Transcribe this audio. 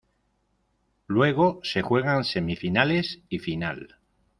Luego se juegan semifinales y final.